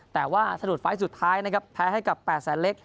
แต่ว่าสะดุดไฟล์สุดท้ายนะครับแพ้ให้กับ๘แสนเล็ก